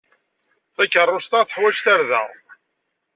Takeṛṛust-a teḥwaj tarda.